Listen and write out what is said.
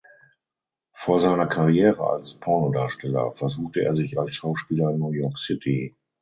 Vor seiner Karriere als Pornodarsteller versuchte er sich als Schauspieler in New York City.